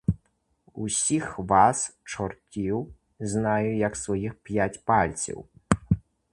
Усіх вас, чортів, знаю, як своїх п'ять пальців.